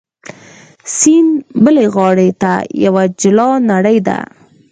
سیند بلې غاړې ته یوه جلا نړۍ ده.